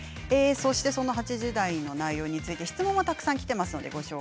８時台の内容について質問がたくさんきています。